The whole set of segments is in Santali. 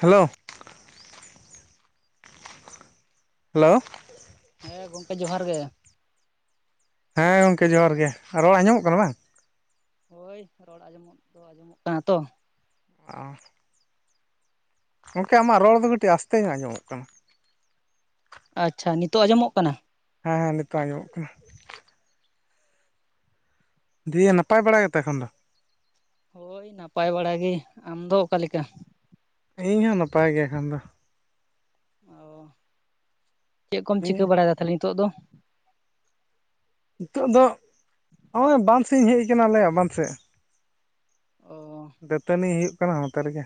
ᱦᱮᱞᱳ ᱾ ᱦᱮᱞᱳᱣ ᱾ ᱦᱮ ᱜᱚᱢᱠᱮ, ᱡᱚᱦᱟᱨ ᱜᱮ ᱾ ᱦᱮᱸᱻ ᱜᱚᱝᱠᱮ, ᱡᱚᱦᱟᱨ ᱜᱮ ᱾ ᱟᱨ, ᱨᱚᱲ ᱟᱸᱡᱚᱢᱚᱜ ᱠᱟᱱᱟ? ᱵᱟᱝ ᱾ [inaudible] ᱦᱳᱭ, ᱨᱚᱲ ᱟᱸᱡᱚᱢᱚᱜ ᱫᱚ, ᱟᱸᱡᱚᱢᱚᱜ ᱠᱟᱱᱟ ᱛᱚ ᱾ ᱟᱻᱦ ᱾ ᱜᱚᱢᱠᱮ, ᱟᱢᱟᱜ ᱨᱚᱲ ᱫᱚ, ᱠᱟᱹᱴᱤᱡ ᱟᱥᱛᱮ ᱧᱚᱜ, ᱟᱸᱡᱚᱢᱚᱜ ᱠᱟᱱᱟ ᱾ ᱟᱪᱪᱷᱟ, ᱱᱤᱛᱚᱜ ᱟᱸᱡᱚᱢᱚᱜ ᱠᱟᱱᱟ? ᱦᱮᱸᱻ ᱦᱮᱸᱻ, ᱱᱤᱛᱚᱜ ᱟᱸᱡᱚᱢᱚᱜ ᱠᱟᱱᱟ ᱾ ᱫᱤᱭᱮ, ᱱᱟᱯᱟᱭ ᱵᱟᱲᱟ ᱜᱮ ᱛᱮ, ᱮᱠᱷᱚᱱ ᱫᱚ? ᱦᱳᱭ! ᱱᱟᱯᱟᱭ ᱵᱟᱲᱟ ᱜᱮ, ᱟᱢ ᱫᱚ ᱚᱠᱟ ᱞᱮᱠᱟ? ᱤᱧ ᱦᱚᱸ, ᱱᱟᱯᱟᱭ ᱜᱮ, ᱮᱠᱷᱟᱱ ᱫᱚ ᱾ ᱚ ᱪᱮᱫ ᱠᱚᱢ ᱪᱤᱠᱟᱹ, ᱫᱤᱭᱮ ᱵᱟᱲᱟ ᱭᱮᱫᱟ ᱛᱟᱦᱞᱮ, ᱱᱤᱛᱚᱜ ᱫᱚ? ᱱᱤᱛᱚᱜ ᱫᱚ, ᱱᱚᱜ-ᱚᱭ, ᱵᱟᱸᱫᱽ ᱥᱮᱫ ᱤᱧ ᱦᱮᱡ ᱟᱠᱟᱱᱟ, ᱟᱞᱮᱭᱟ ᱵᱟᱸᱫᱽ ᱥᱮᱫ ᱚ ᱫᱟᱹᱛᱟᱹᱱᱤ ᱦᱩᱭᱩᱜ ᱠᱟᱱᱟ, ᱱᱚᱛᱮ ᱨᱮᱜᱮ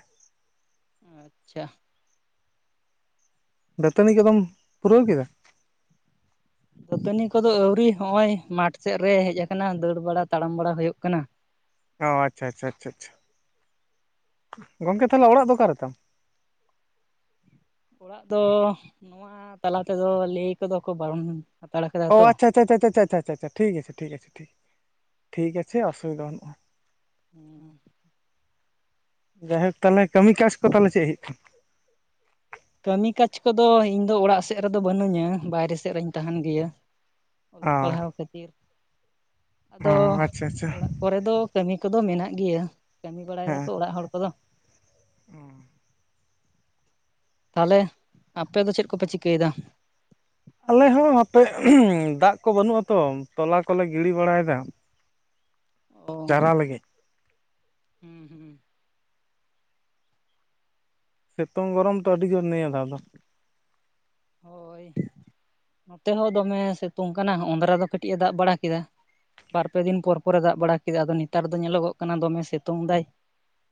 ᱟᱪᱪᱷᱟ ᱾ ᱫᱟᱹᱛᱟᱹᱱᱤ ᱜᱮ ᱵᱟᱢ ᱯᱩᱨᱟᱹᱣ ᱠᱮᱫᱟ ᱾ ᱫᱟᱹᱛᱟᱹᱱᱤ ᱠᱚᱫᱚ, ᱟᱹᱣᱨᱤ ᱾ ᱱᱚᱜ-ᱚᱭ ᱢᱟᱴᱷ ᱥᱮᱫ ᱨᱮ, ᱦᱮᱡ ᱟᱠᱟᱱᱟ ᱾ ᱫᱟᱹᱲ ᱵᱟᱲᱟ, ᱛᱟᱲᱟᱢ ᱵᱟᱲᱟ, ᱦᱩᱭᱩᱜ ᱠᱟᱱᱟ ᱾ ᱚ ᱟᱪᱪᱷᱟ, ᱪᱪᱷᱟ ᱪᱷᱟ ᱟᱪᱷᱟ, ᱜᱚᱝᱠᱮ, ᱛᱟᱦᱚᱞᱮ ᱚᱲᱟᱜ ᱫᱚ, ᱚᱠᱟ ᱨᱮᱛᱟᱢ? ᱚᱲᱟᱜ ᱫᱚ, ᱱᱚᱣᱟ ᱛᱟᱞᱟ ᱛᱮᱫᱚ, ᱞᱟᱹᱭ ᱠᱚᱫᱚ ᱠᱚ ᱵᱟᱨᱚᱱ ᱦᱟᱛᱟᱲ ᱠᱟᱫᱟ ᱚᱻ ᱛᱚ ᱟᱪᱷᱟ ᱪᱷᱟ ᱪᱷᱟ ᱟᱪᱷᱟ ᱟᱪᱷᱟ ᱟᱪᱷᱟ ᱟᱪᱷᱟ ᱴᱷᱤᱠ ᱟᱪᱮ, ᱴᱷᱤᱠ ᱟᱪᱷᱮ, ᱴᱷᱤᱠ, ᱴᱷᱤᱠ ᱟᱪᱮ, ᱚᱥᱩᱵᱤᱫᱷᱟ ᱵᱟᱹᱱᱩᱜ-ᱟ ᱾ ᱡᱟᱭᱦᱳᱠ ᱛᱟᱞᱮ ᱠᱟᱹᱢᱤ ᱠᱟᱡᱽ ᱠᱚ ᱛᱟᱞᱮ ᱪᱮᱜ ᱦᱩᱭᱩᱜ ᱠᱟᱱ? ᱠᱟᱹᱢᱤ ᱠᱟᱡᱽ ᱠᱚ ᱫᱚ, ᱤᱝ ᱫᱚ ᱚᱲᱟᱜ ᱥᱮᱜ ᱨᱮ ᱫᱚ ᱵᱟᱹᱱᱩᱧᱟᱻ ᱵᱟᱭᱨᱮ ᱥᱮᱜ ᱨᱮᱹᱧ ᱛᱟᱦᱮᱱ ᱜᱮᱭᱟ᱾ ᱠᱟᱱᱟ ᱚᱞᱚᱜ ᱯᱟᱲᱦᱟᱣ ᱠᱟᱹᱛᱤᱨ ᱚ ᱟᱫᱚ ᱚ ᱟᱪᱪᱷᱟ ᱟᱪᱪᱷᱟ ᱚᱲᱟᱜ ᱠᱚᱨᱮ ᱫᱚ, ᱠᱟᱹᱢᱤ ᱠᱚ ᱫᱚ ᱢᱮᱱᱟᱜ ᱜᱮᱭᱟ, ᱠᱟᱹᱢᱤ ᱵᱟᱲᱟᱭ ᱫᱟ ᱠᱚ, ᱚᱲᱟᱜ ᱦᱚᱲ ᱠᱚ ᱫᱚ᱾ ᱩᱸ᱾ ᱛᱟᱦᱞᱮ ᱟᱯᱮ ᱫᱚ ᱪᱮᱫ ᱠᱚᱯᱮ ᱪᱤᱠᱟᱹᱭ ᱫᱟ? ᱟᱞᱮ ᱦᱚᱸ ᱟᱯᱮᱹ ᱫᱟᱜ ᱠᱚ ᱵᱟᱹᱱᱩᱜ ᱟᱛᱚ ᱛᱚᱞᱟ ᱠᱚᱞᱮ ᱜᱤᱲᱤ ᱵᱟᱲᱟᱭᱫᱟ᱾ ᱚ ᱪᱟᱨᱟ ᱞᱮᱜᱮ᱾ ᱦᱩᱸ, ᱦᱩᱸ᱾ ᱥᱮᱛᱳᱝ ᱜᱚᱨᱚᱢ ᱛᱚ ᱟᱹᱰᱤ ᱡᱳᱨ ᱱᱤᱭᱟᱹ ᱫᱷᱟᱣ ᱫᱚ᱾ ᱦᱳᱭ, ᱱᱚᱛᱮ ᱦᱚᱸ ᱫᱚᱢᱮ ᱥᱮᱛᱳᱝ ᱠᱟᱱᱟ ᱩᱸᱫᱨᱟ ᱫᱚ ᱠᱟᱹᱴᱤᱡᱼᱮ ᱫᱟᱜ ᱵᱟᱲᱟ ᱠᱮᱫᱟ᱾ ᱵᱟᱨ, ᱯᱮ ᱫᱤᱱ ᱯᱚᱨ-ᱯᱚᱨᱮ ᱫᱟᱜ ᱵᱟᱲᱟ ᱠᱮᱫᱟ᱾ ᱟᱫᱚ ᱱᱮᱛᱟᱨ ᱫᱚ ᱧᱮᱞᱚᱜᱚᱜ ᱠᱟᱱᱟ, ᱫᱚᱢᱮ ᱥᱮᱛᱳᱝ ᱫᱟᱭ᱾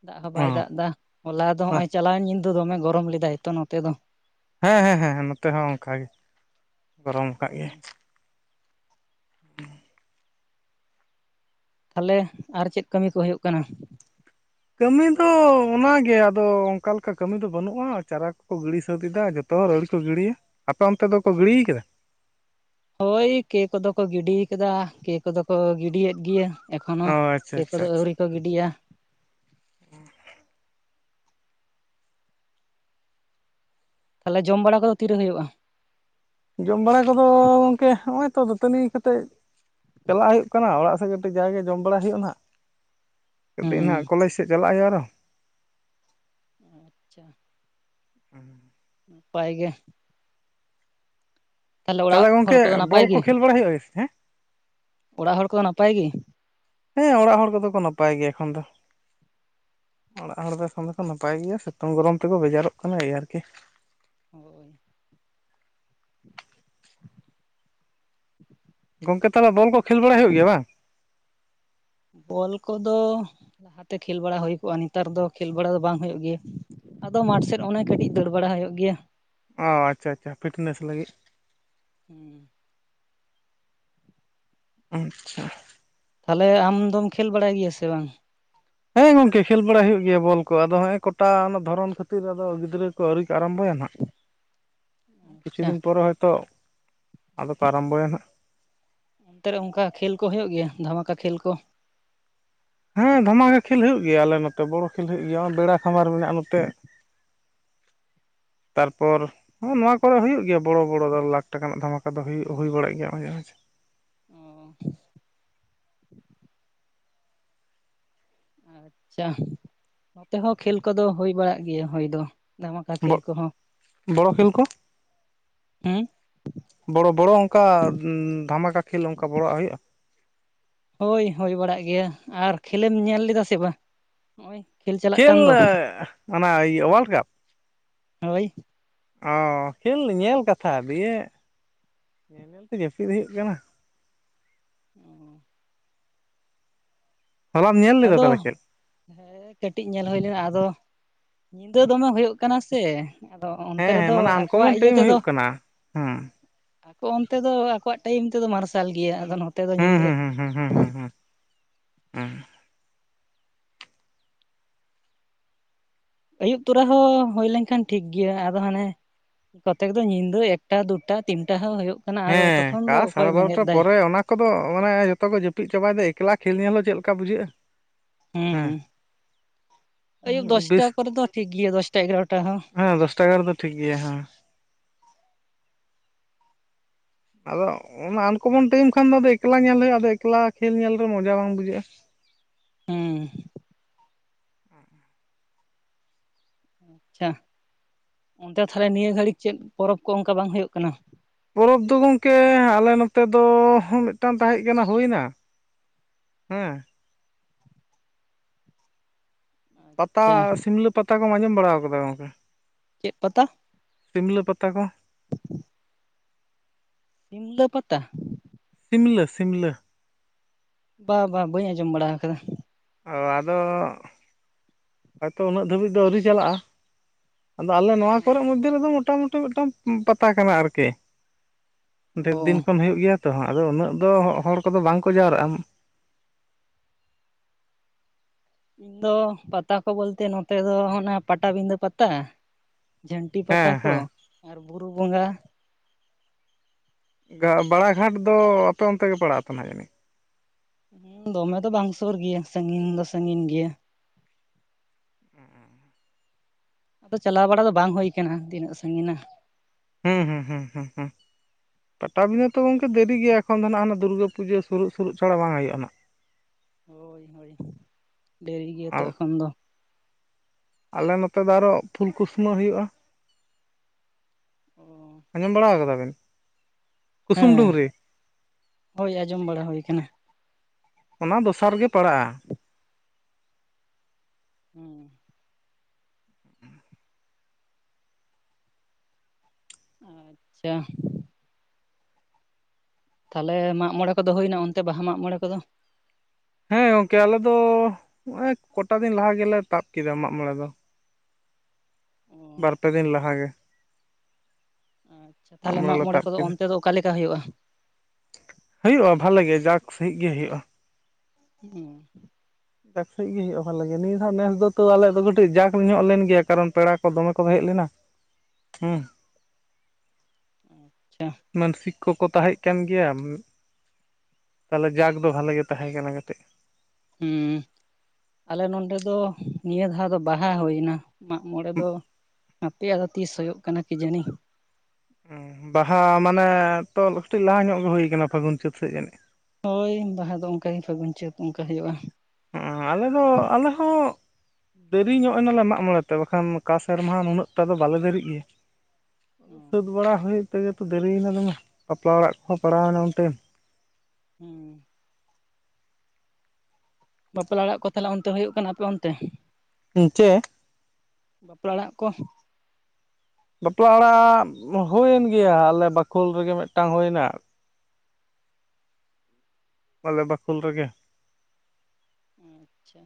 ᱫᱟᱜ ᱦᱚ ᱵᱟᱭ ᱫᱟᱜ ᱫᱟ ᱦᱚᱞᱟ ᱫᱚ, ᱦᱚᱸᱜᱼᱚᱸᱭ ᱪᱟᱞᱟᱣᱮᱱ ᱧᱤᱫᱟᱹ ᱫᱚᱢᱮ ᱜᱚᱨᱚᱢ ᱞᱮᱫᱟᱭ ᱛᱚ, ᱱᱚᱛᱮ ᱫᱚ᱾ ᱦᱮᱸ, ᱦᱮᱸ, ᱦᱮᱸ, ᱦᱮᱸ, ᱱᱚᱛᱮ ᱦᱚᱸ ᱚᱝᱠᱟ ᱜᱮ ᱜᱚᱨᱚᱢ ᱠᱟᱜ ᱜᱮᱭᱟ᱾ ᱛᱟᱞᱮ ᱟᱨ ᱪᱮᱜ ᱠᱟᱹᱢᱤ ᱠᱚ ᱦᱩᱭᱩᱜ ᱠᱟᱱᱟ? ᱠᱟᱹᱢᱤ ᱫᱚᱻ ᱚᱱᱟ ᱜᱮ, ᱟᱫᱚ ᱚᱝᱠᱟ ᱞᱮᱠᱟ ᱠᱟᱹᱢᱤ ᱫᱚ ᱵᱟᱹᱱᱩᱜᱼᱟᱸᱻ᱾ ᱪᱟᱨᱟ ᱠᱚ-ᱠᱚ ᱜᱤᱲᱤ ᱥᱟᱹᱛ ᱮᱫᱟ ᱡᱚ ᱛᱚ ᱨᱟᱹᱣᱲᱤ ᱠᱚ ᱜᱤᱲᱤᱭᱟ, ᱟᱯᱮ ᱚᱱᱛᱮ ᱫᱚᱠᱚ ᱜᱤᱲᱤᱭ ᱠᱟᱫᱟ? ᱳᱭ ᱠᱮ ᱠᱚ ᱫᱚ ᱠᱚ ᱜᱤᱰᱤᱭ ᱠᱟᱫᱟ, ᱠᱮ ᱠᱚᱫᱚ ᱠᱚ ᱜᱤᱰᱤᱭᱮᱫ ᱜᱮᱭᱟ᱾ ᱮᱠᱷᱚᱱᱳ ᱚ ᱟᱪᱪᱷᱟ ᱠᱮ ᱠᱚ ᱫᱚ ᱟᱹᱣᱨᱤ ᱠᱚ ᱜᱤᱰᱤᱭᱟ᱾ ᱟᱨ [unintelligible] ᱛᱟᱞᱮ ᱡᱚᱢ ᱵᱟᱲᱟ ᱠᱚᱫᱚ ᱛᱤᱨᱮᱹ ᱦᱩᱭᱩᱜᱼᱟ᱾ ᱡᱚᱢ ᱵᱟᱲᱟ ᱠᱚᱫᱚ ᱜᱚᱝᱠᱮ, ᱦᱚᱸᱜᱼᱚᱸᱭ ᱛᱚ ᱫᱟᱹᱛᱟᱹᱱᱤ ᱠᱟᱛᱮᱜ ᱪᱟᱞᱟᱜ ᱦᱩᱭᱩᱜ ᱠᱟᱱᱟ ᱚᱲᱟᱜ ᱥᱮᱡ, ᱠᱟᱹᱴᱤᱡ ᱡᱟᱜᱮ ᱡᱚᱢ ᱵᱟᱲᱟᱭ ᱦᱩᱭᱩᱜᱼᱟ ᱱᱟᱦᱟᱜ᱾ ᱠᱟᱹᱴᱤᱡ ᱱᱟᱦᱱᱟᱜ ᱦᱩᱸ ᱠᱚᱞᱮᱡᱽ ᱥᱮᱜ ᱪᱟᱞᱟᱜ ᱦᱩᱭᱩᱜᱼᱟ, ᱟᱨᱚ᱾ ᱟᱪᱪᱟ᱾ ᱱᱟᱯᱟᱭ ᱜᱮ, ᱛᱟᱦᱚᱞᱮ ᱛᱟᱞᱮ ᱚᱲᱟᱜ ᱦᱚᱲ ᱜᱚᱝᱠᱮ, ᱠᱚᱫᱚ ᱱᱟᱯᱟᱭ ᱵᱚᱞ ᱜᱮ? ᱠᱚ ᱠᱷᱮᱹᱞ ᱵᱟᱲᱟ ᱦᱩᱭᱩᱜ ᱮᱭᱮᱥ ᱦᱮᱸᱲ? ᱚᱲᱟᱜ ᱦᱚᱲ ᱠᱚᱫᱚ ᱱᱟᱯᱟᱭ ᱜᱮ? ᱦᱮᱸᱻ, ᱚᱲᱟᱜ ᱦᱚᱲ ᱠᱚᱫᱚ ᱠᱚ ᱱᱟᱯᱟᱭ ᱜᱮᱭᱟ ᱮᱠᱷᱚᱱ ᱫᱚ᱾ ᱚᱲᱟᱜ ᱦᱚᱲ ᱫᱚ ᱥᱚᱢᱮ ᱠᱚ ᱱᱟᱯᱟᱭ ᱜᱮᱭᱟ, ᱥᱤᱛᱩᱝ, ᱜᱚᱨᱚᱢ ᱛᱮᱠᱚ ᱵᱮᱡᱟᱨᱚᱜ ᱠᱟᱱᱟ ᱮᱭᱟᱨᱠᱤ᱾ ᱦᱚᱭ᱾ ᱜᱚᱝᱠᱮ, ᱛᱟᱞᱮ ᱵᱚᱞ ᱠᱚ ᱠᱷᱮᱹᱞ ᱵᱟᱲᱟ ᱦᱩᱭᱩᱜ ᱜᱮᱭᱟ ᱵᱟᱝ? ᱵᱚᱞ ᱠᱚᱫᱚᱦ ᱞᱟᱦᱟ ᱛᱮ ᱠᱷᱮᱹᱞ ᱵᱟᱲᱟ ᱦᱩᱭ ᱠᱚᱜᱼᱟ, ᱱᱮᱛᱟᱨ ᱫᱚ ᱠᱷᱮᱹᱞ ᱵᱟᱲᱟ ᱫᱚ ᱵᱟᱝ ᱦᱩᱭᱩᱜ ᱜᱮᱭᱟ᱾ ᱟᱫᱚ ᱢᱟᱴᱷ ᱥᱮᱫ ᱚᱱᱮ ᱠᱟᱹᱴᱤᱡ ᱫᱟᱹᱲ ᱵᱟᱲᱟ ᱦᱩᱭᱩᱜ ᱜᱮᱭᱟ᱾ ᱚᱸ, ᱟᱪᱪᱷᱟ-ᱪᱷᱟ, ᱯᱷᱤᱴᱱᱮᱹᱥ ᱞᱟᱹᱜᱤᱫ᱾ ᱦᱩᱸ᱾ ᱩᱸᱵᱪᱟ᱾ ᱛᱟᱞᱮ ᱟᱢ ᱫᱚᱢ ᱠᱷᱮᱹᱞ ᱵᱟᱲᱟᱭ ᱜᱮᱭᱟ ᱥᱮ ᱵᱟᱝ? ᱦᱮᱸᱻ ᱜᱚᱝᱠᱮ, ᱠᱷᱮᱹᱞ ᱵᱟᱲᱟ ᱦᱩᱭᱩᱜ ᱜᱮᱭᱟ ᱵᱚᱞ ᱠᱚ᱾ ᱟᱫᱚ ᱦᱚᱸᱜᱼᱮ ᱠᱚᱴᱟ ᱚᱱᱟ ᱫᱷᱚᱨᱚᱱ ᱠᱷᱟᱹᱛᱤᱨ, ᱟᱫᱚ ᱜᱤᱫᱽᱨᱟᱹ ᱠᱚ ᱟᱹᱣᱨᱤ ᱠᱚ ᱟᱨᱟᱢᱵᱚᱭᱟ ᱱᱷᱟᱜ᱾ ᱠᱤᱪᱷᱩ ᱟᱪᱪᱷᱟ ᱫᱤᱱ ᱯᱚᱨᱮ ᱦᱚᱭᱛᱚ ᱟᱫᱚ ᱠᱚ ᱟᱨᱟᱢᱵᱚᱭᱟ ᱱᱷᱟᱜ᱾ ᱛᱮ ᱨᱮ ᱚᱝᱠᱟ ᱠᱷᱮᱹᱞ ᱠᱚ ᱦᱩᱭᱩᱜ ᱜᱮᱭᱟ, ᱫᱷᱟᱢᱟᱠᱟ ᱠᱷᱮᱹᱞ ᱠᱚ? ᱦᱮᱸᱻ, ᱫᱷᱟᱢᱟᱠᱟ ᱠᱷᱮᱹᱞ ᱦᱩᱭᱩᱜ ᱜᱮᱭᱟ ᱟᱞᱮ ᱱᱚᱛᱮ ᱵᱚᱲᱚ ᱠᱷᱮᱹᱞ ᱦᱩᱭᱩᱜ ᱜᱮᱭᱟ ᱚᱸᱵᱮᱲᱟ ᱠᱷᱟᱢᱟᱨ ᱢᱮᱱᱟᱜᱼᱟ ᱱᱚᱛᱮ᱾ ᱛᱟᱨᱯᱚᱨ ᱦᱩᱸ, ᱱᱚᱣᱟ ᱠᱚᱨᱮ ᱦᱩᱭᱩᱜ ᱜᱮᱭᱟ ᱵᱚᱲᱚ-ᱵᱚᱲᱚ ᱫᱚ ᱞᱟᱠ ᱴᱟᱠᱟ ᱱᱟᱜ ᱫᱷᱟᱢᱟᱠᱟ ᱫᱚ ᱦᱩᱭᱩᱜ, ᱦᱩᱭ ᱵᱟᱲᱟᱜ ᱜᱮᱭᱟ ᱢᱟᱡᱷᱮ-ᱢᱟᱡᱷᱮ᱾ ᱚᱸ᱾ ᱟᱪᱪᱷᱟ, ᱱᱚᱛᱮ ᱦᱚᱸ ᱠᱷᱮᱞ ᱠᱚᱫᱚ ᱦᱩᱭ ᱵᱟᱲᱟᱜ ᱜᱮᱭᱟ ᱦᱭ ᱫᱚ᱾ ᱫᱷᱟᱟᱢᱟᱠᱟ ᱵᱚ ᱠᱷᱮᱞ ᱠᱚᱦᱚᱸ ᱵᱚᱲᱚ ᱠᱷᱮᱞ ᱠᱚ ᱦᱮᱸ ᱵᱚᱲᱚ ᱵᱚᱲᱚ ᱚᱝᱠᱟ ᱫᱷᱟᱢᱟᱠᱟ ᱠᱷᱮᱞ ᱚᱝᱠᱟ ᱵᱚᱲᱚᱣᱟᱜ ᱦᱩᱭᱩᱜᱼᱟ᱾ ᱦᱳᱭ, ᱦᱳᱭ ᱵᱟᱲᱟᱜ ᱜᱮᱭᱟ ᱟᱨ ᱠᱷᱮᱞᱮᱢ ᱧᱮᱞ ᱞᱮᱫᱟ ᱥᱮ ᱵᱟᱝ? ᱱᱚᱜ ᱠᱷᱮᱞ ᱪᱟ ᱠᱷᱮᱞ ᱚᱱᱟ ᱚᱣᱟᱨᱞᱰ ᱠᱟᱯ ᱦᱳᱭ ᱚ ᱠᱷᱮᱞ ᱧᱮᱞ ᱠᱟᱛᱷᱟ ᱫᱤᱭᱮ ᱧᱮᱞ ᱧᱮᱞ ᱛᱮ ᱡᱟᱹᱯᱤᱫ ᱦᱩᱭᱩᱜ ᱠᱟᱱᱟ᱾ [inaudible] ᱦᱚᱞᱟᱢ ᱧᱮᱞ ᱞᱮᱫᱟ ᱟᱫᱚ ᱛᱟᱦᱚᱞᱮ ᱠᱷᱮᱞ ᱦᱮᱸ ᱠᱟᱹᱴᱤᱡ ᱧᱮᱞ ᱦᱩᱭ ᱞᱮᱱᱟ ᱟᱫᱚ ᱧᱤᱫᱟᱹ ᱫᱚᱢᱮ ᱦᱩᱭᱩᱜ ᱠᱟᱱᱟ ᱥᱮ, ᱟᱫᱚ ᱚᱱᱛᱮ ᱦᱮᱸ ᱦᱮᱸ ᱨᱮᱫᱚ ᱢᱟᱱᱮ ᱟᱠᱚᱣᱟᱜ ᱟᱱᱠᱚᱢᱚᱱ ᱤᱭᱟᱹ ᱴᱟᱭᱤᱢ ᱛᱮᱫᱚ, ᱦᱩᱭᱩᱜ ᱠᱟᱱᱟ ᱦᱮᱸ ᱟᱠᱚ ᱚᱱᱛᱮ ᱫᱚ ᱟᱠᱚᱣᱟᱜ ᱴᱟᱭᱤᱢ ᱛᱮᱫᱚ ᱢᱟᱨᱥᱟᱞ ᱜᱮᱭᱟ ᱟᱫᱚ ᱱᱚᱛᱮ ᱫᱚ ᱦᱩᱸ ᱧᱤᱫᱟᱹ᱾ ᱦᱩᱸ ᱦᱩᱸ ᱦᱩᱸ ᱦᱩᱸ ᱦᱩᱸ ᱦᱩᱸ ᱟᱹᱭᱩᱵ ᱛᱚᱨᱟ ᱦᱚᱸ ᱦᱩᱭ ᱞᱮᱱᱠᱷᱟᱱ ᱴᱷᱤᱠ ᱜᱮᱭᱟ ᱟᱫᱚ ᱦᱟᱱᱮ, ᱠᱚᱚᱛᱮᱠ ᱫᱚ ᱧᱤᱫᱟᱹ ᱮᱠᱴᱟ ᱫᱩᱴᱟ ᱛᱤᱱᱴᱟ ᱦᱚᱸ ᱦᱩᱭᱩᱜ ᱠᱟᱱᱟ ᱟᱫᱚ ᱦᱮᱸ ᱛᱚᱠᱷᱚᱱ ᱫᱚ ᱛᱟᱣ ᱚᱠᱚᱭ ᱥᱟᱲᱮ ᱵᱟᱨᱚᱴᱟ ᱵᱮᱸᱜᱮᱫ ᱫᱟᱭ ᱯᱚᱨᱮ ᱚᱱᱟ, ᱠᱚᱫᱚ ᱢᱟᱱᱮ ᱡᱚᱛᱚ ᱜᱮ ᱡᱟᱹᱯᱤᱫ ᱪᱟᱵᱟᱭᱮ ᱫᱟ ᱮᱠᱞᱟ ᱠᱷᱮᱞ ᱧᱮᱞ ᱦᱚᱸ ᱪᱮᱫ ᱞᱮᱠᱟ ᱵᱩᱡᱷᱟᱹᱜᱼᱟ᱾ ᱦᱮᱸ ᱟᱹᱭᱩᱵ ᱫᱚᱥᱴᱟ ᱠᱚᱨᱮ ᱫᱚ ᱴᱷᱤᱠ ᱜᱮᱭᱟ ᱫᱚᱥᱴᱟ ᱮᱜᱟᱨᱚᱴᱟ ᱦᱚᱸ᱾ ᱦᱮ ᱫᱚᱥ ᱴᱟ ᱮᱜᱟᱨ ᱫᱚ ᱴᱷᱤᱠ ᱜᱮᱭᱟ ᱦᱮᱸ ᱟᱫᱚ ᱚᱱᱟ ᱟᱱᱠᱚᱢᱚᱱ ᱴᱟᱭᱤᱢ ᱠᱷᱟᱱ ᱫᱚ ᱟᱫᱚ ᱮᱠᱞᱟ ᱧᱮᱞ ᱦᱩᱭᱩᱜᱼᱟ ᱟᱫᱚ ᱮᱠᱞᱟ ᱠᱷᱮᱞ ᱧᱮᱞ ᱫᱚ ᱢᱚᱡᱟ ᱵᱟᱝ ᱵᱩᱡᱷᱟᱹᱜᱼᱟ ᱦᱩᱸ ᱟᱪᱪᱷᱟ ᱚᱱᱛᱮ ᱛᱟᱦᱞᱮ ᱱᱤᱭᱟᱹ ᱜᱷᱟᱹᱲᱤᱡ ᱪᱮᱫ ᱯᱚᱨᱚᱵᱽ ᱠᱚ ᱚᱱᱠᱟ ᱵᱟᱝ ᱦᱩᱭᱩᱜ ᱠᱟᱱᱟ ᱯᱚᱨᱚᱵᱽ ᱫᱚ ᱜᱚᱢᱠᱮ ᱟᱞᱮ ᱱᱚᱛᱮ ᱫᱚ ᱢᱤᱫᱴᱟᱝ ᱛᱟᱦᱮᱜ ᱠᱟᱱᱟ ᱦᱩᱭᱱᱟ ᱦᱮᱸ ᱯᱟᱛᱟ ᱟᱪᱪᱷᱟ ᱥᱤᱞᱫᱟᱹ ᱯᱟᱛᱟ ᱠᱚᱢ ᱟᱸᱡᱚᱢ ᱵᱟᱲᱟ ᱠᱟᱫᱟ ᱜᱚᱢᱠᱮ ᱪᱮᱜ ᱯᱟᱛᱟ ᱥᱤᱢᱞᱟᱹ ᱯᱟᱛᱟ ᱠᱚ ᱥᱤᱢᱞᱟᱹ ᱯᱟᱛᱟ ᱥᱤᱢᱞᱟᱹ ᱥᱤᱢᱞᱟᱹ ᱵᱟ ᱵᱟ ᱵᱟᱹᱧ ᱟᱸᱡᱚᱢ ᱵᱟᱲᱟ ᱟᱠᱟᱫᱟ ᱚ ᱟᱫᱚ ᱦᱚᱭᱛᱚ ᱩᱱᱟᱹᱜ ᱫᱷᱟᱹᱵᱤᱡ ᱫᱚ ᱟᱹᱣᱨᱤ ᱪᱟᱞᱟᱜᱼᱟ ᱟᱫᱚ ᱟᱞᱮ ᱱᱚᱣᱟ ᱠᱚᱨᱮ ᱢᱚᱫᱽᱫᱷᱮ ᱨᱮᱫᱚ ᱢᱚᱴᱟᱢᱩᱴᱤ ᱢᱤᱫᱴᱟᱝ ᱯᱟᱛᱟ ᱠᱟᱱᱟ ᱟᱨᱠᱤ ᱰᱷᱮᱨ ᱫᱤᱱ ᱚ ᱠᱷᱚᱱ ᱦᱩᱭᱩᱜ ᱜᱮᱭᱟ ᱛᱚ ᱦᱟᱸᱜ ᱟᱫᱚ ᱩᱱᱟᱹᱜ ᱫᱚ ᱦᱚᱲ ᱠᱚᱫᱚ ᱵᱟᱝᱠᱚ ᱡᱟᱣᱨᱟᱜᱼᱟ ᱤᱧ ᱫᱚ ᱯᱟᱛᱟ ᱠᱚ ᱵᱚᱞᱛᱮ ᱱᱚᱛᱮ ᱫᱚ ᱦᱟᱱᱟ ᱯᱟᱴᱟᱵᱤᱫᱟᱹ ᱯᱟᱛᱟ ᱡᱷᱟᱹᱱᱴᱤ ᱯᱟᱛᱟ ᱦᱮᱸ ᱠᱚ ᱦᱮᱸ ᱟᱨ ᱵᱩᱨᱩ ᱵᱚᱸᱜᱟ ᱵᱟᱲᱟ ᱜᱷᱟᱴ ᱫᱚ ᱟᱯᱮ ᱚᱱᱛᱮ ᱜᱮ ᱯᱟᱲᱟᱜ ᱛᱚ ᱱᱟᱜ ᱡᱟᱹᱱᱤᱡ ᱫᱚᱢᱮ ᱫᱚ ᱵᱟᱝ ᱥᱳᱨ ᱜᱮᱭᱟ ᱥᱟᱺᱜᱤᱧ ᱫᱚ ᱥᱟᱺᱜᱤᱧ ᱜᱮᱭᱟ [unintelligible] ᱟᱫᱚ ᱪᱟᱞᱟᱣ ᱵᱟᱲᱟ ᱫᱚ ᱵᱟᱝ ᱦᱳᱭ ᱠᱟᱱᱟ ᱛᱤᱱᱟᱹᱜ ᱥᱟᱺᱜᱤᱱᱟ ᱦᱩᱸ ᱦᱩᱸ ᱦᱩᱸ ᱦᱩᱸ ᱦᱩᱸ ᱯᱟᱴᱟ ᱵᱤᱸᱫᱟᱹ ᱛᱚ ᱜᱚᱢᱠᱮ ᱫᱮᱨᱤ ᱜᱮᱭᱟ ᱮᱠᱷᱚᱱ ᱫᱚ ᱱᱟᱦ ᱦᱟᱱᱮ ᱫᱩᱨᱜᱟᱹ ᱯᱩᱡᱟᱹ ᱥᱩᱨᱩᱜ ᱥᱩᱨᱩᱜ ᱪᱷᱟᱲᱟ ᱵᱟᱝ ᱦᱩᱭᱩᱜᱼᱟ ᱱᱟᱜ [inaudible] ᱦᱳᱭ ᱦᱳᱭ ᱰᱮᱨᱤ ᱟᱨ ᱜᱮᱭᱟᱛᱚ ᱮᱠᱷᱚᱱ ᱫᱚ ᱟᱞᱮ ᱱᱚᱛᱮ ᱫᱚ ᱟᱨᱚ ᱯᱷᱩᱞᱠᱩᱥᱢᱟᱹ ᱦᱩᱭᱩᱜᱼᱟ᱾ ᱚᱸ ᱟᱸᱡᱚᱢ ᱵᱟᱲᱟ ᱟᱠᱟᱫᱟ ᱵᱮᱱ᱾ ᱦᱮᱸ ᱦᱳᱭ ᱟᱸᱡᱚᱢ ᱵᱟᱲᱟ ᱦᱩᱭ ᱠᱟᱱᱟ᱾ ᱚᱱᱟ ᱫᱚᱥᱟᱨ ᱜᱮ ᱯᱟᱲᱟᱜᱼᱟ᱾ ᱦᱩᱸ ᱟᱪᱪᱷᱟ ᱛᱟᱦᱞᱮ ᱢᱟᱜ ᱢᱚᱲᱮ ᱠᱚᱫᱚ ᱦᱩᱭᱱᱟ ᱚᱱᱛᱮ ᱵᱟᱦᱟ ᱢᱟᱜ ᱢᱚᱲᱮ ᱠᱚᱫᱚ᱾ ᱦᱮᱸ ᱜᱚᱝᱠᱮ ᱟᱞᱮ ᱫᱚ ᱱᱚᱜᱼᱚᱭ ᱠᱚᱴᱟ ᱫᱤᱱ ᱞᱟᱦᱟ ᱜᱮᱞᱮ ᱛᱟᱵ ᱠᱮᱫᱟ ᱢᱟᱜ ᱢᱚᱬᱮ ᱫᱚ᱾ ᱚ ᱵᱟᱨᱯᱮ ᱫᱤᱱ ᱞᱟᱦᱟ ᱜᱮ᱾ ᱟᱪᱪᱷᱟ ᱛᱟᱦᱞᱮ ᱢᱟᱜ ᱞᱮ ᱢᱚᱬᱮ ᱛᱟᱵ ᱠᱚᱫᱚ ᱠᱮᱫᱟ ᱚᱱᱛᱮ ᱫᱚ ᱚᱠᱟᱞᱮᱠᱟ ᱦᱩᱭᱩᱜᱼᱟ᱾ ᱦᱩᱭᱩᱜᱼᱟ ᱵᱷᱟᱞᱮ ᱜᱮ ᱡᱟᱠ ᱥᱟᱹᱦᱤᱡ ᱜᱮ ᱦᱩᱭᱩᱜᱼᱟ᱾ [unintelligible] ᱡᱟᱠ ᱥᱟᱹᱦᱤᱡ ᱜᱮ ᱦᱩᱭᱩᱜᱼᱟ ᱵᱷᱟᱞᱮ ᱜᱮ ᱱᱤᱭᱟᱹ ᱫᱷᱟᱣ ᱱᱮᱥ ᱫᱚ ᱛᱟᱹᱣ ᱟᱞᱮᱭᱟᱜ ᱫᱚ ᱠᱟᱹᱴᱤᱡ ᱡᱟᱠ ᱧᱚᱜ ᱞᱮᱱ ᱜᱮᱭᱟ ᱠᱟᱨᱚᱱ ᱯᱮᱲᱟ᱾ ᱠᱚ ᱫᱚᱢᱮ ᱠᱚ ᱦᱮᱡ ᱞᱮᱱᱟ ᱦᱩᱸ᱾ ᱟᱪᱪᱷᱟ ᱢᱟᱱᱥᱤᱠ ᱠᱚᱠᱚ ᱛᱟᱦᱮᱸᱜ ᱠᱟᱱ ᱜᱮᱭᱟ᱾ ᱛᱟᱦᱞᱮ ᱡᱟᱠ ᱫᱚ ᱵᱷᱟᱞᱮ ᱜᱮ ᱛᱟᱦᱮ ᱠᱟᱱᱟ ᱠᱟᱹᱴᱤᱡ᱾ ᱦᱩᱸ ᱟᱞᱮ ᱱᱚᱰᱮ ᱫᱚ ᱱᱤᱭᱟᱹ ᱫᱷᱟᱣ ᱫᱚ ᱵᱟᱦᱟ ᱦᱩᱭ ᱮᱱᱟ᱾ ᱢᱟᱜ ᱢᱚᱲᱮ ᱫᱚ ᱦᱟᱯᱮ ᱟᱫᱚ ᱛᱤᱥ ᱦᱳᱭᱳᱜ ᱠᱟᱱᱟ ᱠᱤ ᱡᱟᱹᱱᱤ᱾ ᱩᱸ ᱵᱟᱦᱟ ᱢᱟᱱᱮ ᱛᱚ ᱠᱟᱹᱴᱤᱡ ᱞᱟᱦᱟ ᱧᱚᱜ ᱜᱮ ᱦᱩᱭ ᱯᱷᱟᱹᱜᱩᱱ ᱪᱟᱹᱛ ᱥᱮᱜ ᱡᱟᱹᱱᱤᱡ᱾ ᱦᱳᱭ ᱵᱟᱦᱟ ᱫᱚ ᱚᱱᱠᱟ ᱜᱮ ᱯᱷᱟᱹᱜᱩᱱ ᱪᱟᱹᱛ ᱚᱱᱠᱟ ᱦᱳᱭᱳᱜᱼᱟ᱾ ᱦᱩᱸ ᱟᱞᱮ ᱫᱚ ᱟᱞᱮ ᱦᱚᱸ᱾ ᱫᱮᱨᱤ ᱧᱚᱜ ᱮᱱᱟᱞᱮ ᱢᱟᱜ ᱢᱚᱲᱮ ᱛᱮ ᱵᱟᱠᱷᱟᱱ ᱚᱠᱟ ᱥᱮᱨᱢᱟ ᱦᱚ ᱱᱩᱱᱟᱹᱜ ᱴᱟ ᱫᱚ ᱵᱟᱞᱮ ᱫᱮᱨᱤᱜ ᱜᱮᱭᱟ᱾ ᱥᱟᱹᱛ ᱵᱟᱲᱟ ᱦᱩᱭᱩᱜ ᱛᱮᱜᱮ ᱛᱚ ᱫᱮᱨᱤᱭᱮᱱᱟ ᱫᱚᱢᱮ ᱵᱟᱯᱞᱟ ᱚᱲᱟᱜ ᱠᱚᱦᱚᱸ ᱯᱟᱲᱟᱣᱮᱱᱟ ᱚᱱ ᱴᱟᱹᱭᱤᱢ᱾ ᱦᱩᱸ ᱵᱟᱯᱞᱟ ᱚᱲᱟᱜ ᱠᱚ ᱛᱟᱦᱚᱞᱮ ᱚᱱᱛᱮ ᱦᱤᱭᱩᱜ ᱠᱟᱱᱟ ᱟᱯᱮ ᱚᱱᱛᱮ᱾ [unintelligible] ᱵᱟᱯᱞᱟ ᱚᱲᱟᱜ ᱠᱚ᱾ ᱵᱟᱯᱞᱟ ᱚᱲᱟᱜ ᱦᱩᱭᱮᱱ ᱜᱮᱭᱟ ᱟᱞᱮ ᱵᱟᱠᱷᱩᱞ ᱨᱮᱜᱮ ᱢᱤᱫᱴᱟᱝ ᱦᱩᱭᱮᱱᱟ᱾ ᱟᱞᱮ ᱵᱟᱠᱷᱩᱞ ᱨᱮᱜᱮ᱾ ᱟᱪᱪᱷᱟ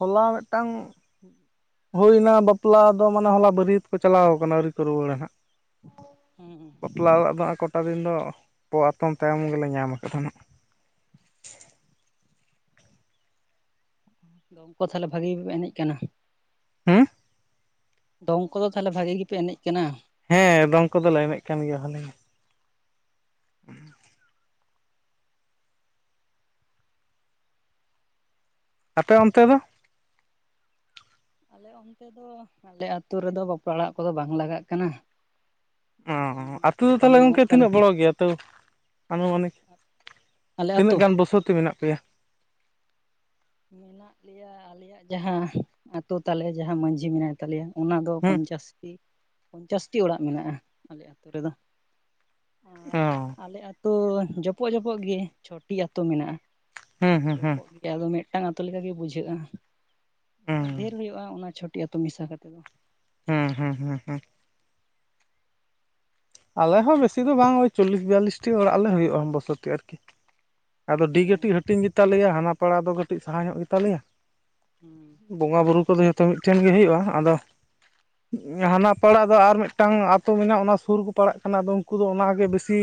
ᱦᱚᱞᱟ ᱢᱤᱫᱴᱟᱹᱝ ᱦᱩᱭᱱᱟ ᱵᱟᱯᱞᱟ ᱫᱚ ᱢᱟᱱᱮ ᱦᱚᱞᱟ ᱵᱟᱹᱨᱤᱭᱟᱹᱛ᱾ ᱪᱟᱞᱟᱣ ᱠᱟᱱᱟ ᱟᱹᱣᱨᱤ ᱠᱚ ᱨᱩᱣᱟᱹᱲᱟ ᱦᱟᱸᱜ᱾ [unintelligible] ᱵᱟᱯᱞᱟ ᱚᱲᱟᱜ ᱫᱚ ᱠᱚᱴᱟ ᱫᱤᱱ ᱫᱚ ᱯᱚ ᱟᱛᱚᱢ ᱛᱟᱭᱚᱢ ᱜᱮᱞᱮ ᱧᱟᱢ ᱟᱠᱟᱫ ᱱᱟᱜ᱾ ᱫᱚᱝ ᱠᱚ ᱛᱟᱦᱚᱞᱮ ᱵᱷᱟᱹᱜᱤ ᱜᱮᱯᱮ ᱮᱱᱮᱡ ᱠᱟᱱᱟ᱾ ᱦᱩᱸ ᱫᱚᱝ ᱠᱚᱫᱚ ᱛᱟᱦᱚᱞᱮ ᱵᱷᱟᱹᱜᱤ ᱜᱮᱯᱮ ᱮᱱᱮᱡ ᱠᱟᱱᱟ? ᱦᱮᱸ ᱫᱚᱝ ᱠᱚᱫᱚᱞᱮ ᱮᱱᱮᱡ ᱠᱟᱱ ᱜᱮᱭᱟ ᱵᱷᱟᱹᱞᱤ ᱜᱮ᱾ [unintelligible] ᱟᱯᱮ ᱚᱱᱛᱮ ᱫᱚ᱾ ᱟᱞᱮ ᱚᱱᱛᱮ ᱫᱚ ᱟᱞᱮ ᱟᱹᱛᱩ ᱨᱮᱫᱚ ᱵᱟᱯᱞᱟ ᱚᱲᱟᱜ ᱠᱚᱫᱚ ᱵᱟᱝ ᱞᱟᱜᱟᱜ ᱠᱟᱱᱟ᱾ ᱚ ᱫᱚᱝ ᱮᱱᱮᱡ ᱟᱹᱛᱩ ᱫᱚ ᱠᱚᱦᱚᱸ ᱵᱟᱝ ᱛᱟᱦᱚᱞᱮ ᱧᱟᱢᱚᱜ ᱜᱚᱢᱠᱮ ᱠᱟᱱᱟ ᱛᱤᱱᱟᱹᱜ ᱵᱚᱲᱚ ᱜᱮᱭᱟ ᱛᱚ ᱟᱹᱱᱩᱢᱟᱹᱱᱤᱠ? ᱟᱞᱮ ᱛᱤᱱᱟᱹᱜ ᱟᱹᱛᱩ ᱜᱟᱱ ᱵᱚᱥᱚᱛᱤ ᱢᱮᱱᱟᱜ ᱯᱮᱭᱟ? ᱢᱮᱱᱟᱜ ᱞᱮᱭᱟ ᱟᱞᱮᱭᱟᱜ ᱡᱟᱦᱟᱸ ᱟᱛᱳ ᱛᱟᱞᱮ ᱡᱟᱦᱟᱸ ᱢᱟᱹᱡᱷᱤ ᱢᱮᱱᱟᱭ ᱛᱟᱞᱮᱭᱟ ᱚᱱᱟ ᱫᱚ ᱦᱩᱸ ᱯᱚᱧᱪᱟᱥ ᱴᱤᱼᱼ ᱯᱚᱧᱪᱟᱥ ᱴᱤ ᱚᱲᱟᱜ ᱢᱮᱱᱟᱜᱼᱟ ᱟᱞᱮ ᱟᱹᱛᱩ ᱨᱮᱫᱚᱼᱼ ᱚᱸᱻ ᱟᱞᱮ ᱟᱹᱛᱩ ᱡᱚᱯᱚᱜ ᱡᱚᱯᱚᱜ ᱜᱮ ᱪᱷᱚᱴᱤ ᱟᱹᱛᱩ ᱢᱮᱱᱟᱜᱼᱟ ᱦᱩᱸ ᱦᱩᱸ ᱦᱩᱸ ᱡᱚᱯᱚᱜ ᱜᱮᱭᱟ ᱟᱫᱚ ᱢᱤᱫᱼᱼ ᱢᱤᱫᱴᱟᱝ ᱟᱹᱛᱩ ᱞᱮᱠᱟ ᱜᱮ ᱵᱩᱡᱷᱟᱹᱜᱼᱟ ᱦᱩᱸ ᱟᱫᱚ ᱰᱷᱮᱨ ᱦᱩᱭᱩᱜᱼᱟ ᱚᱱᱟ ᱪᱷᱚᱴᱤ ᱟᱛᱳ ᱢᱮᱥᱟ ᱠᱟᱛᱮ ᱫᱚ ᱦᱩᱸ ᱦᱩᱸ ᱦᱩᱸ ᱦᱩᱸ ᱟᱞᱮ ᱦᱚᱸ ᱵᱮᱥᱤ ᱫᱚ ᱵᱟᱝ ᱳᱭ ᱪᱚᱞᱞᱤᱥ ᱵᱤᱭᱟᱞᱞᱤᱥ ᱴᱤ ᱚᱲᱟᱜ ᱞᱮ ᱦᱩᱭᱩᱜᱼᱟ ᱵᱚᱥᱚᱛᱤ ᱟᱨ ᱠᱤᱼᱼ ᱟᱫᱚ ᱰᱤᱜ ᱚ ᱠᱟᱹᱴᱤᱡ ᱦᱟᱹᱴᱤᱧ ᱜᱮ ᱛᱟᱞᱮᱭᱟ ᱦᱟᱱᱟ ᱯᱟᱲᱟ ᱫᱚ ᱠᱟᱹᱴᱤᱡ ᱥᱟᱦᱟ ᱧᱚᱜ ᱜᱮ ᱛᱟᱞᱮᱭᱟ ᱦᱩᱸ ᱵᱚᱸᱜᱟ ᱵᱩᱨᱩ ᱠᱚᱫᱚ ᱡᱷᱚᱛᱚ ᱢᱤᱫᱼᱼ ᱴᱷᱮᱱ ᱜᱮ ᱦᱩᱭᱩᱜᱼᱟ ᱟᱫᱚ ᱦᱟᱱᱟ ᱯᱟᱲᱟ ᱫᱚ ᱟᱨ ᱢᱤᱫᱴᱟᱝ ᱟᱹᱛᱩ ᱢᱮᱱᱟᱜᱼᱟ ᱚᱱᱟ ᱥᱩᱨ ᱠᱚᱼᱼ ᱯᱟᱲᱟᱜ ᱠᱟᱱᱟ ᱟᱫᱚ ᱩᱱᱠᱩ ᱫᱚ ᱚᱱᱟ ᱜᱮ ᱵᱤᱥᱤᱼᱼ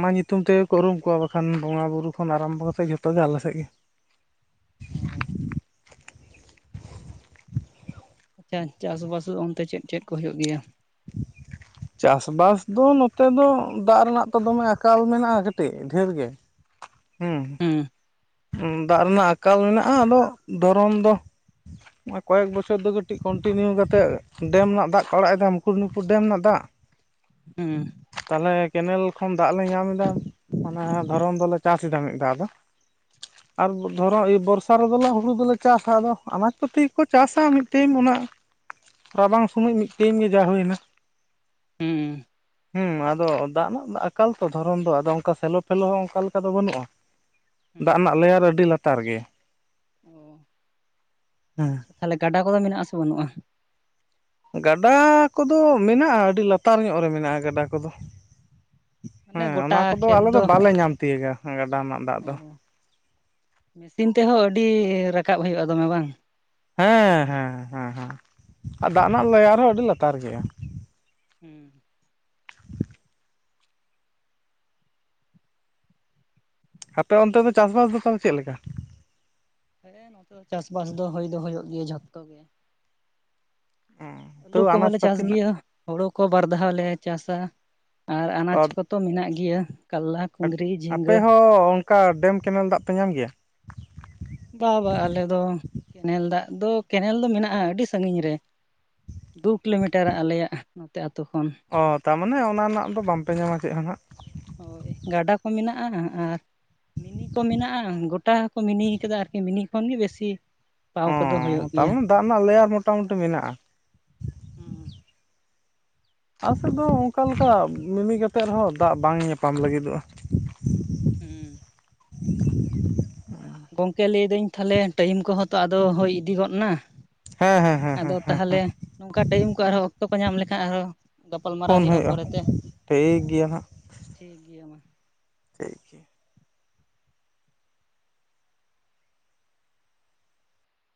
ᱢᱟ ᱧᱩᱛᱩᱢ ᱛᱮᱜᱮ ᱠᱚ ᱩᱨᱩᱢ ᱠᱚᱣᱟ ᱵᱟᱠᱷᱟᱱ ᱵᱚᱸᱜᱟ ᱵᱩᱨᱩ ᱠᱷᱚᱱ ᱟᱨᱟᱢᱵᱚ ᱠᱟᱛᱮᱫ ᱡᱷᱚᱛᱚ ᱜᱮ ᱟᱞᱮ ᱥᱮᱫ ᱜᱮᱼᱼ ᱩᱸ ᱟᱪᱪᱷᱟ ᱪᱟᱥ ᱵᱟᱥ ᱚᱱᱛᱮ ᱪᱮᱫ ᱪᱮᱫ ᱠᱚ ᱦᱩᱭᱩᱜ ᱜᱮᱭᱟ? [inaudible] ᱪᱟᱥ ᱵᱟᱥ ᱫᱚ ᱱᱚᱛᱮ ᱫᱚ ᱫᱟᱜ ᱨᱮᱱᱟᱜ ᱫᱚ ᱫᱚᱢᱮ ᱟᱠᱟᱞ ᱢᱮᱱᱟᱜᱼᱟ ᱠᱟᱹᱴᱤᱡ ᱰᱷᱮᱨ ᱜᱮᱼᱼ ᱦᱩᱸ ᱦᱩᱸ ᱫᱟᱜ ᱨᱮᱱᱟᱜ ᱟᱠᱟᱞ ᱢᱮᱱᱟᱜᱼᱟ ᱟᱫᱚ ᱫᱚᱨᱚᱱ ᱫᱚᱼᱼ ᱚᱱᱮ ᱠᱚᱭᱮᱠ ᱵᱚᱪᱷᱚᱨ ᱫᱚ ᱠᱟᱹᱴᱤᱡ ᱠᱚᱱᱴᱤᱱᱤᱭᱩ ᱠᱟᱛᱮᱫ ᱰᱮᱢ ᱨᱮᱱᱟᱜ ᱫᱟᱜ ᱠᱚ ᱟᱲᱟᱜ ᱮᱫᱟ ᱢᱩᱠᱩᱴ ᱢᱩᱱᱤᱯᱩᱨ ᱰᱮᱢ ᱨᱮᱱᱟᱜ ᱫᱟᱜ [inaudible] ᱩᱸ ᱛᱟᱦᱞᱮ ᱠᱮᱱᱮᱞ ᱠᱷᱚᱱ ᱫᱟᱜ ᱞᱮ ᱧᱟᱢ ᱮᱫᱟ ᱚᱱᱟ ᱫᱷᱚᱨᱚᱱ ᱫᱚᱞᱮ ᱪᱟᱥ ᱮᱫᱟ ᱢᱤᱫ ᱫᱷᱟᱣ ᱫᱚ ᱟᱨ ᱫᱷᱚᱨᱚ ᱵᱚᱨᱥᱟ ᱨᱮᱫᱚᱞᱮ ᱦᱩᱲᱩ ᱫᱚᱞᱮ ᱪᱟᱥᱟ ᱟᱫᱚᱼᱼ [unintelligible] ᱠᱚ ᱛᱮ ᱠᱚ ᱪᱟᱥᱟ ᱢᱤᱫᱴᱮᱱ ᱚᱱᱟᱼᱼ ᱨᱟᱵᱟᱝ ᱥᱚᱢᱚᱭ ᱢᱤᱫᱴᱮᱱ ᱜᱮ ᱡᱟ ᱦᱩᱭᱮᱱᱟ ᱦᱩᱸ ᱦᱩᱸ ᱟᱫᱚ ᱫᱟᱜ ᱨᱮᱱᱟᱜ ᱟᱠᱟᱞ ᱛᱚ ᱫᱷᱚᱨᱚᱱ ᱫᱚ ᱟᱫᱚ ᱚᱱᱠᱟ ᱥᱮᱞᱚ ᱴᱷᱮᱞᱚ ᱦᱚᱸ ᱚᱱᱠᱟ ᱞᱮᱠᱟ ᱫᱚ ᱵᱟᱹᱱᱩᱜᱼᱟ ᱦᱩᱸ ᱫᱟᱜ ᱨᱮᱱᱟᱜ ᱞᱮᱭᱟᱨ ᱟᱹᱰᱤ ᱞᱟᱛᱟᱨ ᱜᱮᱭᱟ ᱚ ᱦᱮᱸᱼᱼ ᱟᱪᱪᱷᱟ ᱛᱟᱦᱚᱞᱮ ᱜᱟᱰᱟ ᱠᱚᱫᱚ ᱢᱮᱱᱟᱜᱼᱟ ᱥᱮ ᱵᱟᱹᱱᱩᱜᱼᱟ? ᱜᱟᱰᱟ ᱠᱚᱫᱚ ᱢᱮᱱᱟᱜᱼᱟ ᱟᱹᱰᱤ ᱞᱟᱛᱟᱨ ᱧᱚᱜ ᱨᱮ ᱢᱮᱱᱟᱜᱼᱟ ᱜᱟᱰᱟ ᱠᱚᱫᱚᱼᱼ ᱢᱟᱱᱮ ᱦᱮᱸ ᱜᱚᱴᱟ ᱚᱱᱟ ᱠᱚᱫᱚ ᱠᱷᱮᱛ ᱟᱞᱮ ᱫᱚ ᱵᱟᱞᱮ ᱧᱟᱢ ᱛᱤᱭᱳᱜᱟ ᱜᱟᱰᱟ ᱨᱮᱱᱟᱜ ᱫᱟᱜ ᱫᱚᱼᱼ ᱚ ᱢᱮᱥᱤᱱ ᱛᱮᱦᱚᱸ ᱟᱹᱰᱤ ᱨᱟᱠᱟᱵ ᱦᱩᱭᱩᱜᱼᱟ ᱫᱚᱢᱮ ᱵᱟᱝᱼᱼ ᱦᱮᱸ ᱦᱮᱸ ᱦᱮᱸ ᱦᱮᱸ ᱫᱟᱜ ᱨᱮᱱᱟᱜ ᱞᱮᱭᱟᱨ ᱦᱚᱸ ᱟᱹᱰᱤ ᱞᱟᱛᱟᱨ ᱜᱮᱭᱟ [inaudible] ᱟᱯᱮ ᱚᱱᱛᱮ ᱫᱚ ᱪᱟᱥ ᱵᱟᱥ ᱫᱚ ᱛᱟᱦᱞᱮ ᱪᱮᱫ ᱞᱮᱠᱟ? ᱦᱮᱸ ᱱᱚᱛᱮ ᱫᱚ ᱪᱟᱥ ᱵᱟᱥ ᱫᱚ ᱦᱩᱭ ᱫᱚ ᱦᱩᱭᱩᱜ ᱜᱮᱭᱟ ᱡᱷᱚᱛᱛᱚ ᱜᱮ ᱟᱹᱞᱩ ᱛᱟᱹᱣ ᱠᱚ ᱦᱚᱸ ᱟᱱᱟᱡᱽ ᱞᱮ ᱪᱟᱥ ᱯᱟᱹᱛᱤ ᱜᱮᱭᱟ ᱦᱩᱲᱩ ᱠᱚ ᱵᱟᱨ ᱫᱷᱟᱣ ᱞᱮ ᱪᱟᱥᱟ ᱟᱨ ᱟᱱᱟᱡᱽ ᱨᱮᱱᱟᱜ ᱠᱚᱛᱚ ᱢᱮᱱᱟᱜ ᱜᱮᱭᱟ ᱠᱟᱞᱞᱟᱼᱼ [unintelligible] ᱟᱯᱮ ᱦᱚᱸ ᱚᱱᱠᱟ ᱰᱮᱢ ᱠᱮᱱᱮᱞ ᱫᱟᱜ ᱯᱮ ᱧᱟᱢ ᱜᱮᱭᱟ ᱵᱟ ᱵᱟ ᱟᱞᱮ ᱫᱚ ᱠᱮᱱᱮᱞ ᱫᱟᱜ ᱫᱚ ᱠᱮᱱᱮᱞ ᱫᱚ ᱢᱮᱱᱟᱜᱼᱟ ᱟᱹᱰᱤ ᱥᱟᱺᱜᱤᱧ ᱨᱮ ᱫᱩ ᱠᱤᱞᱳ ᱢᱤᱴᱟᱨ ᱟᱞᱮᱭᱟᱜ ᱱᱚᱛᱮ ᱟᱛᱳ ᱠᱷᱚᱱ ᱚᱻ ᱛᱟᱨᱢᱟᱱᱮ ᱚᱱᱟ ᱨᱮᱱᱟᱜ ᱫᱚ ᱵᱟᱝ ᱯᱮ ᱧᱟᱢᱟ ᱪᱮᱫ ᱦᱚᱸ ᱦᱟᱸᱜᱼᱼ ᱦᱳᱭ ᱜᱟᱰᱟ ᱠᱚ ᱢᱮᱱᱟᱜᱼᱟ ᱟᱨ ᱢᱤᱱᱤ ᱠᱚ ᱢᱮᱱᱟᱜᱼᱟ [unintelligible] ᱜᱚᱴᱴᱟ ᱠᱚ ᱢᱤᱱᱤ ᱟᱠᱟᱫᱟ ᱟᱨᱠᱤ ᱢᱤᱱᱤ ᱠᱷᱚᱱ ᱜᱮ ᱵᱮᱥᱤᱼᱼ ᱚᱻ ᱛᱟᱨᱢᱟᱱᱮ ᱫᱟᱜ ᱨᱮᱱᱟᱜ ᱞᱮᱭᱟᱨ ᱢᱚᱴᱟ ᱢᱩᱴᱤ ᱢᱮᱱᱟᱜᱼᱟ᱾ ᱦᱩᱸ ᱟᱞᱮ ᱥᱮᱫ ᱫᱚ ᱚᱱᱠᱟ ᱞᱮᱠᱟ ᱢᱤᱱᱤ ᱠᱟᱛᱮᱫ ᱨᱮ-ᱦᱚᱸ ᱫᱟᱜ ᱵᱟᱝ ᱧᱟᱯᱟᱢ ᱞᱟᱹᱜᱤᱫᱚᱜᱼᱟ᱾ ᱦᱩᱸ ᱜᱚᱝᱠᱮ ᱞᱟᱹᱭᱫᱟᱹᱧ ᱛᱟᱦᱞᱮ, ᱴᱟᱭᱤᱢ ᱠᱚᱼᱦᱚᱸ ᱛᱚ ᱟᱫᱚ ᱦᱩᱭ ᱤᱫᱤ ᱜᱚᱫ ᱮᱱᱟ᱾ ᱦᱮᱸ ᱦᱮᱸ ᱦᱮᱸ ᱟᱫᱚ ᱦᱮᱸ ᱦᱮᱸ ᱛᱟᱦᱞᱮ ᱚᱱᱝᱠᱟ ᱴᱟᱭᱤᱢ ᱠᱚ, ᱟᱨ ᱦᱚᱸ ᱚᱠᱛᱚ ᱠᱚ ᱧᱟᱢ ᱞᱮᱠᱷᱟᱱ ᱟᱨ ᱦᱚᱸ ᱯᱷᱳᱱ ᱦᱩᱭᱩᱜᱼᱟ᱾ ᱴᱷᱤᱠ ᱜᱮᱭᱟ ᱦᱟᱜ ᱴᱷᱤᱠ ᱜᱮᱭᱟ ᱢᱟ᱾ ᱠᱟᱹ ᱜᱮ [unintelligible]